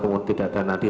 kemudian tidak ada nadi